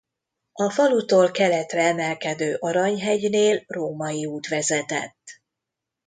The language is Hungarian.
A falutól keletre emelkedő Arany-hegynél római út vezetett.